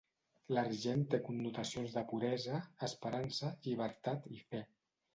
L'argent té connotacions de puresa, esperança, llibertat i fe.